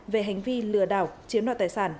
về hành vi lừa đảo chiếm đoạt tài sản